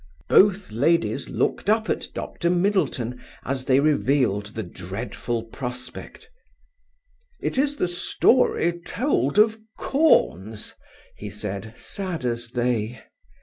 Both ladies looked up at Dr. Middleton, as they revealed the dreadful prospect. "It is the story told of corns!" he said, sad as they.